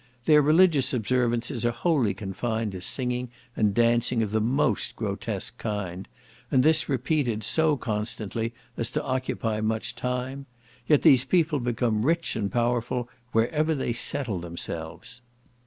Their religious observances are wholly confined to singing and dancing of the most grotesque kind, and this repeated so constantly as to occupy much time; yet these people become rich and powerful wherever they settle themselves.